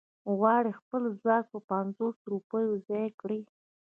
غواړي خپل ځواک په پنځو روپو ځای کړي.